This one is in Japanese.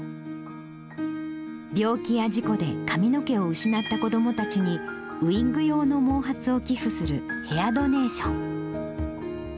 病気や事故で髪の毛を失った子どもたちに、ウイッグ用の毛髪を寄付するヘアドネーション。